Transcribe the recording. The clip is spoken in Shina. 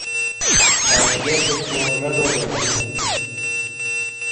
بائیکیا سے تو ڙدو کا مریوں۔